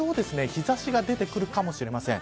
日差しが出てくるかもしれません。